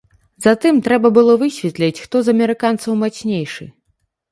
Затым трэба было высветліць, хто з амерыканцаў мацнейшы.